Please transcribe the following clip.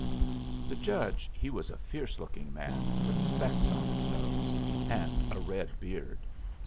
The judge he was a fierce looking man with specs on his nose, and a red beard.